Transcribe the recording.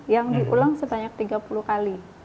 yang diulang sebanyak tiga puluh kali